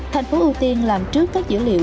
thành phố ưu tiên làm trước các dữ liệu